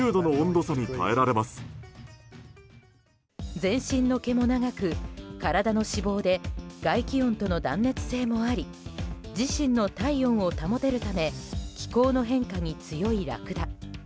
全身の毛も長く、体の脂肪で外気温との断熱性もあり自身の体温を保てるため気候の変化に強いラクダ。